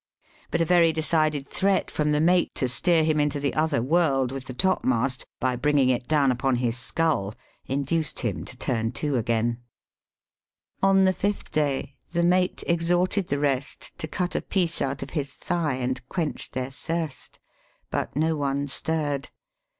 But, a very decided threat from the mate to steer him into the other world with the topmast by bringing it down upon his skull, induced him to turn to again. On the fifth day, the mate exhorted the rest to cut a piece out of his thigh, and quench their thirst ; but, no one stirred.